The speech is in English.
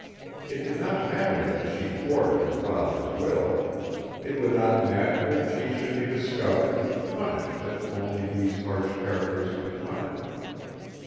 It did not matter that she thwarted her father's will; it would not matter if she should be discovered and punished as only these harsh characters could punish.